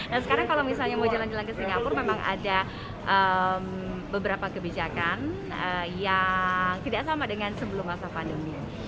nah sekarang kalau misalnya mau jalan jalan ke singapura memang ada beberapa kebijakan yang tidak sama dengan sebelum masa pandemi